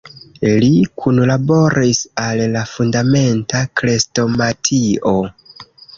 Li kunlaboris al la "Fundamenta Krestomatio.